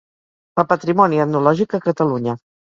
El patrimoni etnològic a Catalunya.